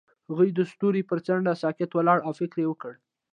هغه د ستوري پر څنډه ساکت ولاړ او فکر وکړ.